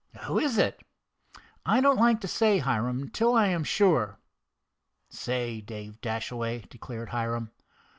"Who is it?" "I don't like to say, Hiram, till I am sure." "Say, Dave Dashaway," declared Hiram.